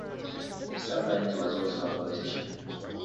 Sabines was also a politician.